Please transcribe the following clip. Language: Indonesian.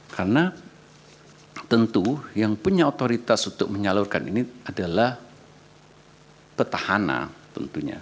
karena tentu yang punya otoritas untuk menyalurkan ini adalah petahana tentunya